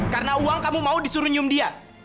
karena uang kamu mau disuruh nyium dia